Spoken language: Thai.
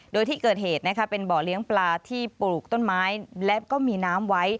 โดยที่เกิดเหตุเป็นบ่อเลี้ยงปลาที่ปลูกต้นไม้และก็มีน้ำไว้